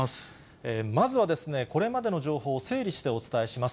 まずはですね、これまでの情報を整理してお伝えします。